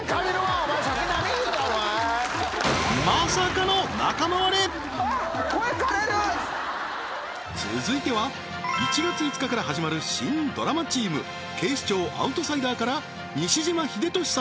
お前まさかの声かれる続いては１月５日から始まる新ドラマチーム警視庁アウトサイダーから西島秀俊様